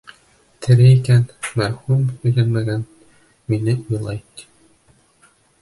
Тере икән, мәрхүм, өйләнмәгән, мине уйлай, ти.